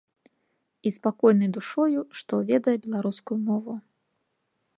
І спакойны душою, што ведае беларускую мову.